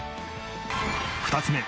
２つ目